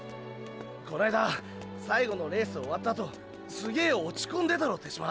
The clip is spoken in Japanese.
この間最後のレース終わったあとすげぇ落ち込んでたろ手嶋。